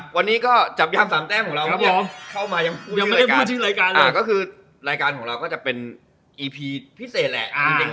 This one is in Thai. วันนี้ก็จำยามสามแป้งหรือก็เรียบเข้ามายังไม่พูดชื่อในเลยการ